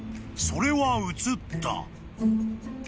［それは映った］